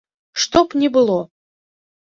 Што б ні было.